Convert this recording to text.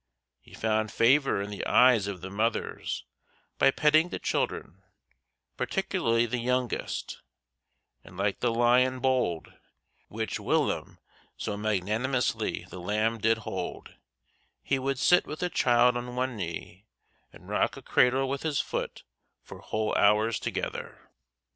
He found favor in the eyes of the mothers by petting the children, particularly the youngest; and like the lion bold, which whilom so magnanimously the lamb did hold, he would sit with a child on one knee and rock a cradle with his foot for whole hours together.